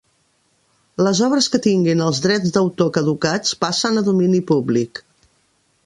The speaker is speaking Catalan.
Les obres que tinguin els drets d'autor caducats passen a domini públic